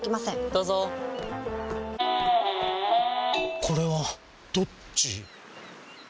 どうぞこれはどっち？